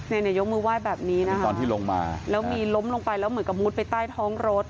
เนี่ยยกมือไหว้แบบนี้นะคะแล้วมีล้มลงไปแล้วเหมือนกระมูดไปใต้ท้องรถ